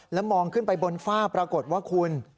แล้วมองขึ้นไปบนฝ้าปรากฏว่าคุณ